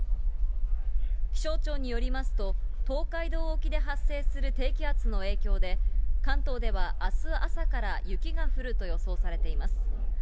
気象庁によりますと、東海道沖で発生する低気圧の影響で、関東ではあす朝から雪が降ると予想されています。